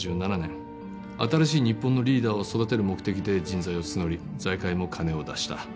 新しい日本のリーダーを育てる目的で人材を募り財界も金を出した。